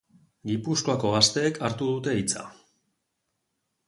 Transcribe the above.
Gipuzkoako gazteek hartu dute hitza.